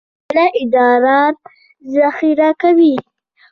مثانه ادرار ذخیره کوي